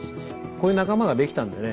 こういう仲間ができたんでね